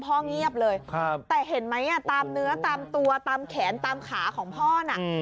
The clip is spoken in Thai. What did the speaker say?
เงียบเลยแต่เห็นไหมตามเนื้อตามตัวตามแขนตามขาของพ่อน่ะ